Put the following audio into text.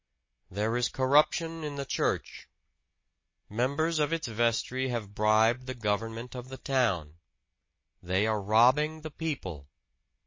"There is corruption in the church. Members of its vestry have bribed the government of the town. They are robbing the people.